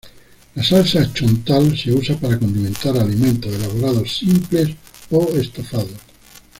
La salsa Chontal se usa para condimentar alimentos elaborados simples o estofados.